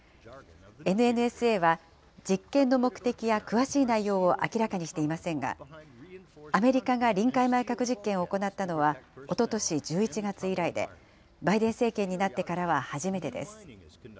ＮＮＳＡは実験の目的や詳しい内容を明らかにしていませんが、アメリカが臨界前核実験を行ったのはおととし１１月以来で、バイデン政権になってからは初めてです。